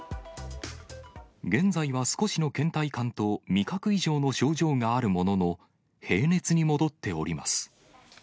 現在は少しのけん怠感と味覚異常の症状があるものの、平熱に戻っております。